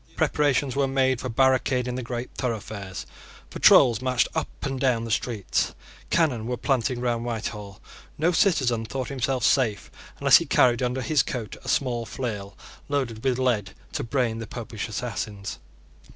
Preparations were made for barricading the great thoroughfares. Patrols marched up and down the streets. Cannon were planted round Whitehall. No citizen thought himself safe unless he carried under his coat a small flail loaded with lead to brain the Popish assassins.